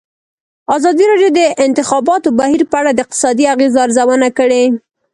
ازادي راډیو د د انتخاباتو بهیر په اړه د اقتصادي اغېزو ارزونه کړې.